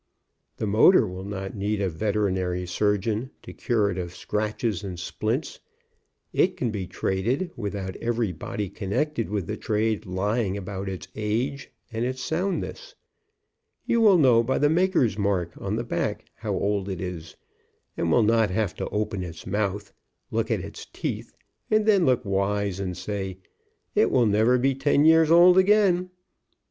The motor will not need a veterinary surgeon to cure it of scratches and splints. It can be traded without every body connected with the trade lying about its age and its soundness. You will know by the maker's mark on the back how old it is, and will not have to open its mouth, look at its teeth, and tfien look wise, and say, "It will never be ten years old again."